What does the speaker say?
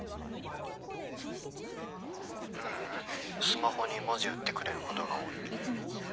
スマホに文字打ってくれることが多いけど。